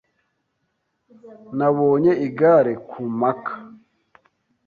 Nabonye igare ku mpaka.